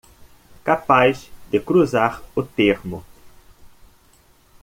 Capaz de cruzar o termo